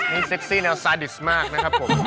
นี่เซ็กซี่แนวซาดิสมากนะครับผม